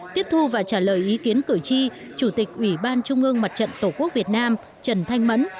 tiếp thu và trả lời ý kiến cử tri chủ tịch ủy ban trung ương mặt trận tổ quốc việt nam trần thanh mẫn